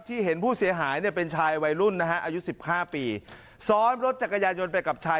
ที่เห็นผู้เสียหายเป็นชายวัยรุ่นอายุ๑๕ปีซ้อนรถจักรยานยนต์ไปกับชาย